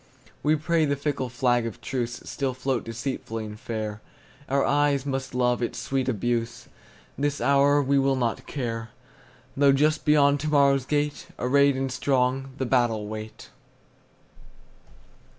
We pray the fickle flag of truceStill float deceitfully and fair; Our eyes must love its sweet abuse; This hour we will not care, Though just beyond to morrow's gate, Arrayed and strong, the battle wait.